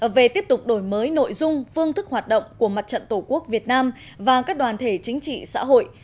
về tiếp tục đổi mới nội dung phương thức hoạt động của mặt trận tổ quốc việt nam và các đoàn thể chính trị xã hội